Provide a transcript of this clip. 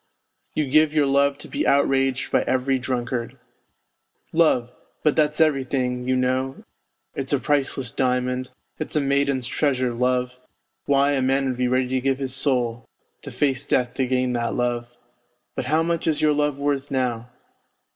You give your love to be outraged by every drunkard ! Love ! But that's everything, you know, it's a priceless diamond, it's a maiden's treasure, love why, a man would be ready to give his soul, to face death to gain that love. But how much is your love worth now